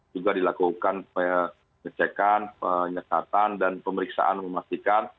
juga dilakukan pengecekan penyekatan dan pemeriksaan memastikan